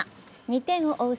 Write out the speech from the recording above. ２点を追う